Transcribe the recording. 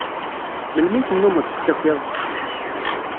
Melmi ay tennumeḍ tettakiḍ-d?